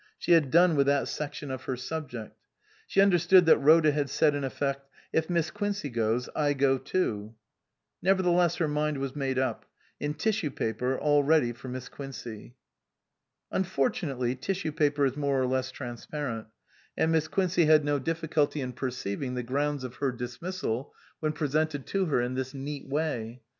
She had done with that section of her subject. She understood that Rhoda had said in effect, " If Miss Quincey goes, I go too." Nevertheless her mind was made up ; in tissue paper, all ready for Miss Quincey. Unfortunately tissue paper is more or less transparent, and Miss Quincey had no difficulty 316 MISS QUINCEY STANDS BACK in perceiving the grounds of her dismissal when presented to her in this neat way.